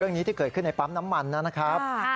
เรื่องนี้ที่เกิดขึ้นในปั๊มน้ำมันนะครับ